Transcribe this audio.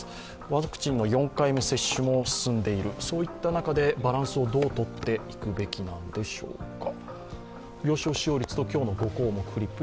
ワクチンの４回目接種も進んでいるそういった中でバランスをどうとっていくべきなんでしょうか。